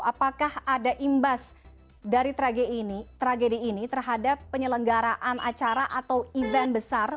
apakah ada imbas dari tragedi ini terhadap penyelenggaraan acara atau event besar